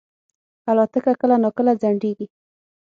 الوتکه کله ناکله ځنډېږي.